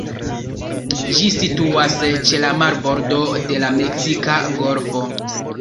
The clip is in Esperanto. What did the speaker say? Ĝi situas ĉe la marbordo de la Meksika Golfo.